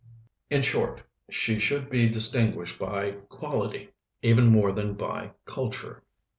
In short, she should be distinguished by quality even more than by culture.